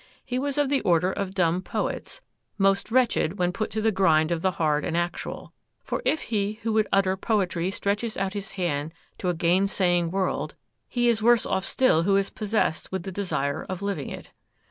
He was of the order of dumb poets,—most wretched when put to the grind of the hard and actual; for if he who would utter poetry stretches out his hand to a gainsaying world, he is worse off still who is possessed with the desire of living it.